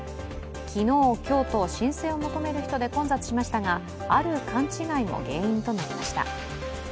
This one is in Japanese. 昨日、今日と申請を求める人で混雑しましたが、ある勘違いも原因となりました。